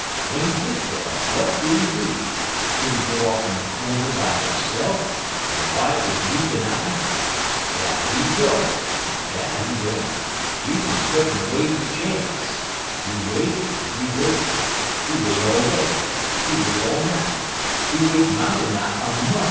W'en he git dar, w'at do he do? Do he go off in a cornder by hisse'f, en wipe he weepin' eye? Dat he don't dat he don't. He des tuck'n wait he chance. He wait en he wait; he wait all day, he wait all night; he wait mighty nigh a mont'.